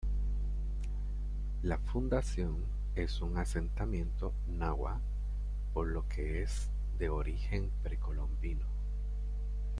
La fundación es un asentamiento náhua, por lo que es de origen precolombino.